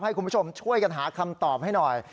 ให้คุณผู้ชมช่วยกันหาคำตอบให้หน่อย